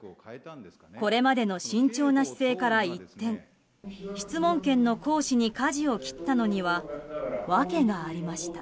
これまでの慎重な姿勢から一転質問権の行使にかじを切ったのには訳がありました。